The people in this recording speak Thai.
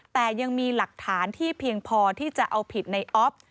แต่ยังมีหลักฐานที่เพียงพอที่จะเอาผิดในออฟ